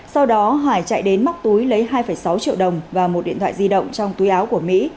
sau đó hải chạy đến móc túi lấy hai sáu triệu đồng và một điện thoại di động trong túi áo của mỹ